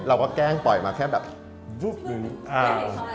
เราก็แกล้งปล่อยมาแค่แบบบุ๊บนึงอ้าว